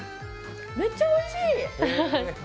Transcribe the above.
めっちゃおいしい。